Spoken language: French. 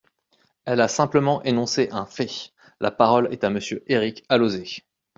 Elle a simplement énoncé un fait ! La parole est à Monsieur Éric Alauzet.